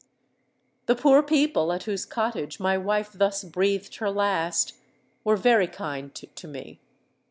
"The poor people at whose cottage my wife thus breathed her last, were very kind to me.